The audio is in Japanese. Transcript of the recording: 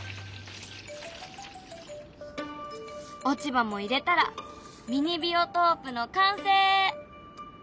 落ち葉も入れたらミニビオトープの完成！